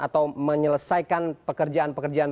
atau menyelesaikan pekerjaan pekerjaan